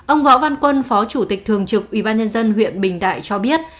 ông võ văn quân phó chủ tịch thường trực ubnd huyện bình đại cho biết